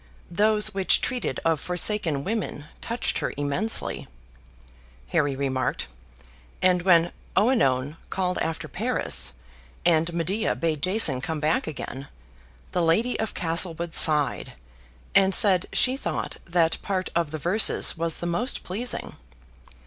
Those which treated of forsaken women touched her immensely, Harry remarked; and when Oenone called after Paris, and Medea bade Jason come back again, the lady of Castlewood sighed, and said she thought that part of the verses was the most pleasing.